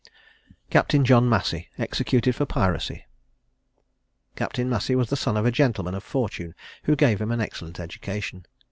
CAPTAIN JOHN MASSEY. EXECUTED FOR PIRACY. Captain Massey was the son of a gentleman of fortune, who gave him an excellent education.